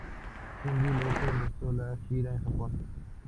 Cyndi Lauper empezó la gira en Japón.